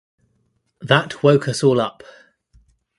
That woke us all up.